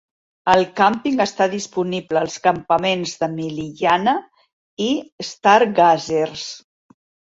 El càmping està disponible als campaments de Miliyanha i Stargazers.